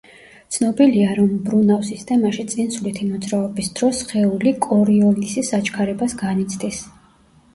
ცნობილია, რომ მბრუნავ სისტემაში წინსვლითი მოძრაობის დროს სხეული კორიოლისის აჩქარებას განიცდის.